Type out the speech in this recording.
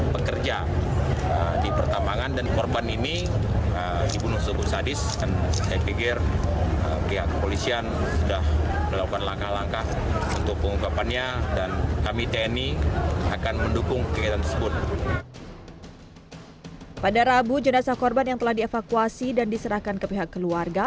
pada rabu jenazah korban yang telah dievakuasi dan diserahkan ke pihak keluarga